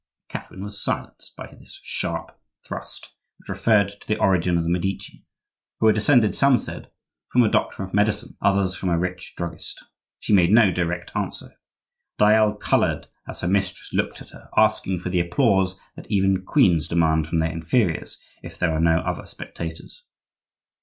Catherine was silenced by this sharp thrust, which referred to the origin of the Medici, who were descended, some said, from a doctor of medicine, others from a rich druggist. She made no direct answer. Dayelle colored as her mistress looked at her, asking for the applause that even queens demand from their inferiors if there are no other spectators.